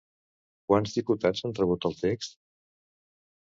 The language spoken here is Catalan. Quants diputats han rebut el text?